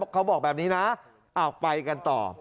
เขาบอกแบบนี้นะไปกันต่อ